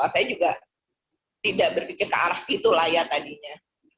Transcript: saya juga tidak berpikir ke arah situ lah ya tadinya